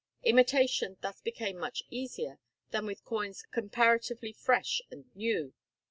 Imitation thus became much easier than with coins comparatively fresh and new.